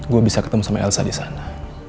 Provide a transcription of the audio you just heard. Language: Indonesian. gue bisa ketemu sama elsa di sana